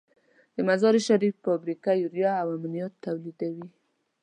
د مزارشریف فابریکه یوریا او امونیا تولیدوي.